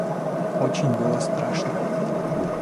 Очень было страшно.